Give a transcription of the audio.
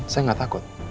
saya gak takut